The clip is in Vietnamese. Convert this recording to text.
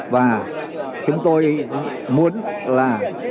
và chúng tôi muốn là